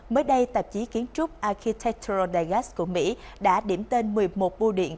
mới đây tạp chí kiến trúc architectural digest của mỹ đã điểm tên một mươi một bưu điện